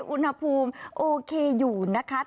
อุณหภูมิโอเคอยู่นะคะ